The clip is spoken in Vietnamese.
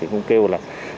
cũng kêu là